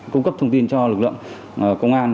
cung cấp thông tin cho lực lượng công an